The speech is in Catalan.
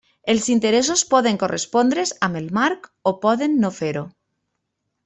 Els interessos poden correspondre's amb el marc o poden no fer-ho.